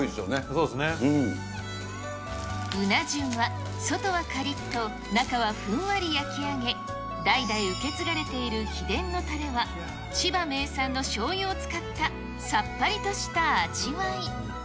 うな重は外はかりっと、中はふんわり焼き上げ、代々受け継がれている秘伝のたれは、千葉名産のしょうゆを使った、さっぱりとした味わい。